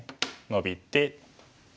ノビて。